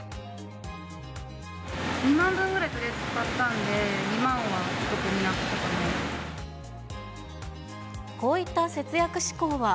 ２万円分ぐらいとりあえず使ったので、２万は得になったかな。